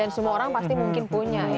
dan semua orang pasti mungkin punya ya